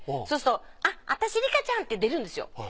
そうすると「あっ私リカちゃん」って出るんですよ。